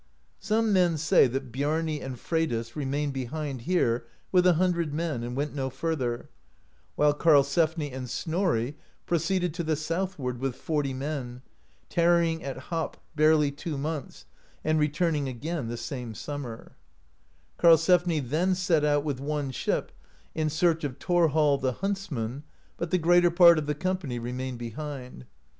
Some men say that Biarni and Freydis remained behind here with a hundred men, and WTnt no further; while Karlsefni and Snorri pro ceeded to the southward with forty men, tarrying at Hop barely two months, and returning again the same sum mer, Karlsefni then set out w^ith one ship in search of Thorhall the Huntsman, but the greater part of the com pany remained behind.